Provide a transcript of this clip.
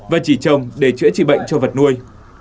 và chỉ trồng để chữa trị bệnh cho vật nuôi